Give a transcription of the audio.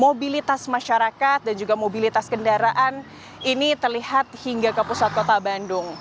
mobilitas masyarakat dan juga mobilitas kendaraan ini terlihat hingga ke pusat kota bandung